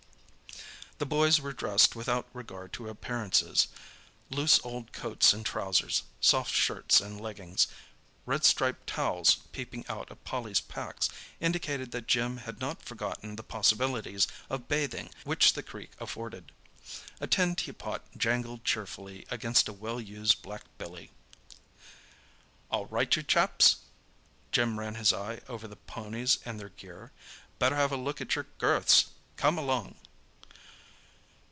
The boys were dressed without regard to appearances—loose old coats and trousers, soft shirts and leggings. Red striped towels, peeping out of Polly's packs, indicated that Jim had not forgotten the possibilities of bathing which the creek afforded. A tin teapot jangled cheerfully against a well used black billy. "All right, you chaps?" Jim ran his eye over the ponies and their gear. "Better have a look at your girths. Come along."